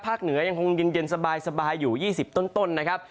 เหนือยังคงเย็นสบายอยู่๒๐ต้นนะครับ